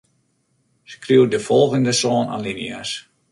Skriuw de folgjende sân alinea's.